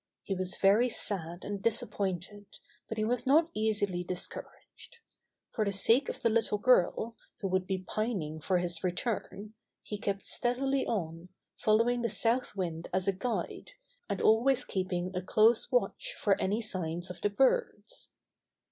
He was very sad and disappointed, but he was not easily discouraged. For the sake of the little girl, who would be pining for his return, he kept steadily on, following the south wind as a guide, and always keeping a close watch iot any signs of the birds.